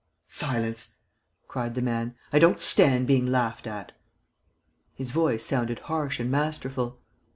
"Silence!" cried the man, "I don't stand being laughed at." His voice sounded harsh and masterful.